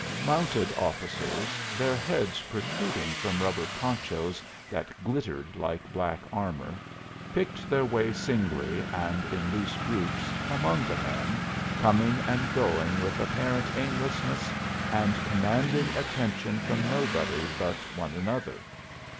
Mounted officers, their heads protruding from rubber ponchos that glittered like black armor, picked their way, singly and in loose groups, among the men, coming and going with apparent aimlessness and commanding attention from nobody but one another.